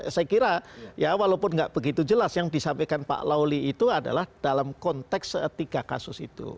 saya kira ya walaupun nggak begitu jelas yang disampaikan pak lawli itu adalah dalam konteks tiga kasus itu